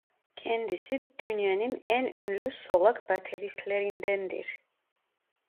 Kendisi Dünyanın en ünlü solak bateristlerindendir.